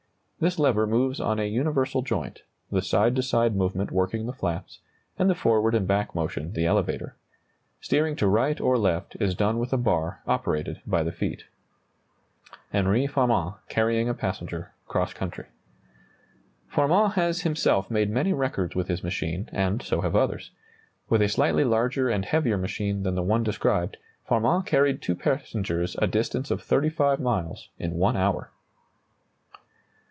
This lever moves on a universal joint, the side to side movement working the flaps, and the forward and back motion the elevator. Steering to right or left is done with a bar operated by the feet. [Illustration: Henri Farman carrying a passenger across country.] Farman has himself made many records with his machine, and so have others. With a slightly larger and heavier machine than the one described, Farman carried two passengers a distance of 35 miles in one hour.